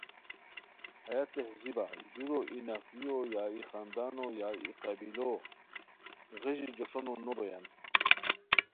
ہیہ تہذیبہ ژورو ای نفریو یا ای خاندانو یا ای قبیلو غیژی جوݰونو نو بویان